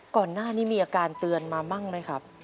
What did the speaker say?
ก่อนหน้านี้มีอาการเตือนมาบ้างไหมครับ